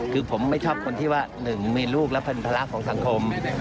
คือผมไม่ชอบคนที่ว่าหนึ่งมีลูกและเป็นภาระของสังคม